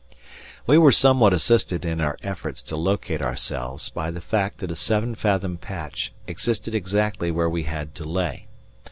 "] We were somewhat assisted in our efforts to locate ourselves by the fact that a seven fathom patch existed exactly where we had to lay.